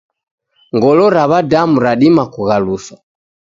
Ngolo ra wadamu radima kughaluswa.